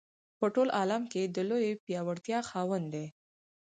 په ټول عالم کې د لویې پیاوړتیا خاوند دی.